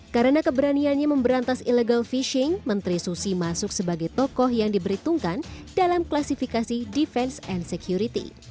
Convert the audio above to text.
karena keberaniannya memberantas illegal fishing menteri susi masuk sebagai tokoh yang diberhitungkan dalam klasifikasi defense and security